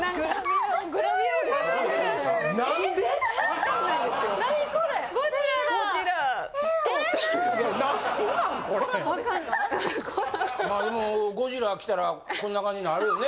まあでもゴジラが来たらこんな感じになるよね。